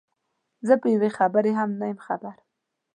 زه په یوې خبرې هم نه یم خبر.